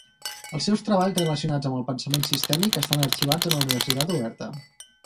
Els seus treballs relacionats amb el pensament sistèmic estan arxivats a la Universitat Oberta.